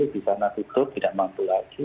di sana tutup tidak mampu lagi